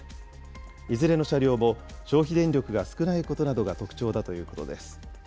いずれの車両も消費電力が少ないことなどが特徴だということです。